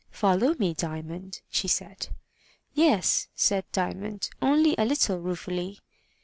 "Follow me, Diamond," she said. "Yes," said Diamond, only a little ruefully.